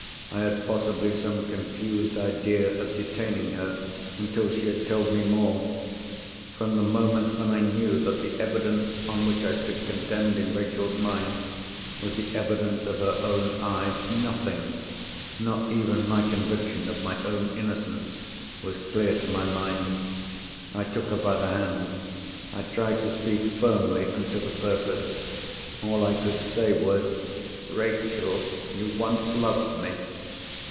I had possibly some confused idea of detaining her until she had told me more. From the moment when I knew that the evidence on which I stood condemned in Rachel's mind, was the evidence of her own eyes, nothing—not even my conviction of my own innocence—was clear to my mind. I took her by the hand; I tried to speak firmly and to the purpose. All I could say was, "Rachel, you once loved me."